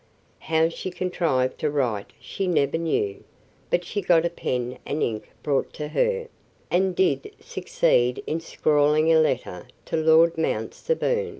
How she contrived to write she never knew, but she got a pen and ink brought to her, and did succeed in scrawling a letter to Lord Mount Severn.